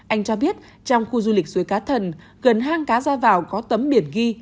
anh cho biết trong khu du lịch suối cá thần gần hang cá ra vào có tấm biển ghi